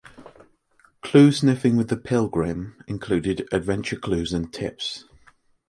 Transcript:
'Clue Sniffing With The Pilgrim' included adventure clues and tips.